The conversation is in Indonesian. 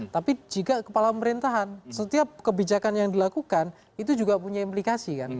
tapi jika kepala pemerintahan setiap kebijakan yang dilakukan itu juga punya implikasi kan